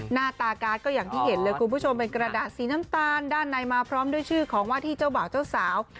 หน้าตาการ์ดก็อย่างที่เห็นเลยคุณผู้ชมเป็นกระดาษสีน้ำตาลด้านในมาพร้อมด้วยชื่อของว่าที่เจ้าบ่าวเจ้าสาว